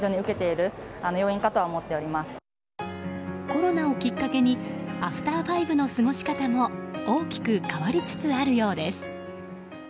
コロナをきっかけにアフター５の過ごし方も大きく変わりつつあるようです。